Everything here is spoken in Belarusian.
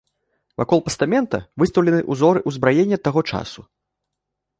Вакол пастамента выстаўлены ўзоры ўзбраення таго часу.